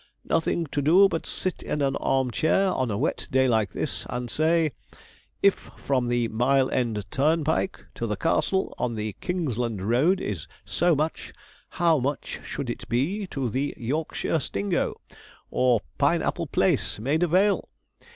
Nothing to do but sit in an arm chair on a wet day like this, and say, If from the Mile End turnpike to the "Castle" on the Kingsland Road is so much, how much should it be to the "Yorkshire Stingo," or Pine Apple Place, Maida Vale?